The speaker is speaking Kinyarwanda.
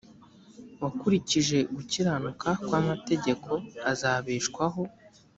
wakurikije gukiranuka kw amategeko azabeshwaho